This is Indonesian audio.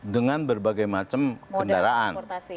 dengan berbagai macam kendaraan